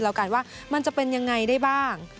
แล้วกันว่ามันจะเป็นยังไงได้บ้าง